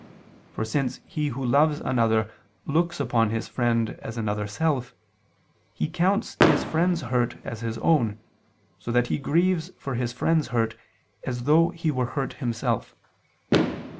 For, since he who loves another looks upon his friend as another self, he counts his friend's hurt as his own, so that he grieves for his friend's hurt as though he were hurt himself.